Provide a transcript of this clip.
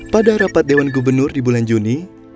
pada rapat dewan gubernur di bulan juni